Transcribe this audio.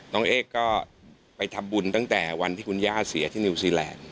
น้องเอกก็ไปทำบุญตั้งแต่วันที่คุณย่าเสียที่นิวซีแลนด์